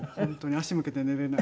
足向けて寝られない。